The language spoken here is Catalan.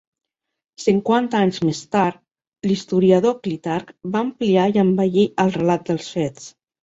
Cinquanta anys més tard, l'historiador Clitarc va ampliar i embellir el relat dels fets.